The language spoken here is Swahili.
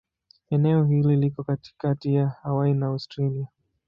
Eneo hili liko katikati ya Hawaii na Australia.